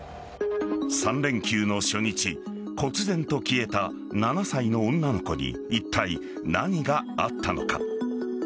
３連休の初日こつぜんと消えた７歳の女の子にいったい、何があったのか。